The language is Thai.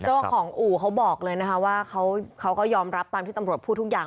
เจ้าของอู่เขาบอกเลยนะคะว่าเขาก็ยอมรับตามที่ตำรวจพูดทุกอย่าง